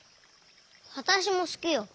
わたしもすきよ。